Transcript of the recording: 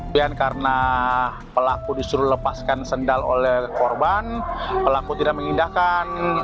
dan karena pelaku disuruh lepaskan sendal oleh korban pelaku tidak mengindahkan